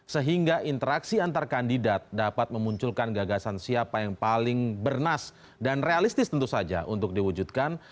sehingga interaksi antar kandidat dapat memunculkan gagasan siapa yang paling bernas dan realistis tentu saja untuk diwujudkan